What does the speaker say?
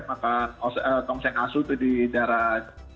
makan tong seng asu itu di daerah